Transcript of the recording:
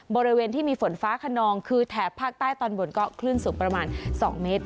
บริเวณที่มีฝนฟ้าขนองคือแถบภาคใต้ตอนบนก็คลื่นสูงประมาณ๒เมตร